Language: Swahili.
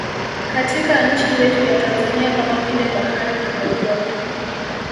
Katika nchi yetu ya Tanzania kama vile bahari na maziwa